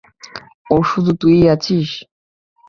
ওর শুধু তুইই আছিস।